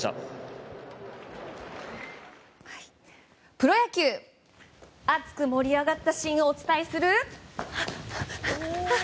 プロ野球熱く盛り上がったシーンをお伝えする。